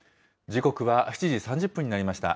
時刻は７時３０分になりました。